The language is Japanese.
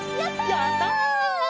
やった！